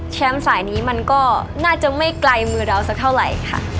สายนี้มันก็น่าจะไม่ไกลมือเราสักเท่าไหร่ค่ะ